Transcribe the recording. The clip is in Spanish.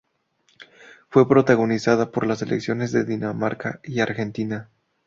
Fue protagonizada por las selecciones de Dinamarca y Argentina.